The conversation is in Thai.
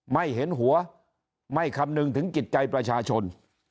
ไม่เห็นหัวไม่คำนึงถึงจิตใจประชาชน